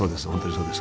そうです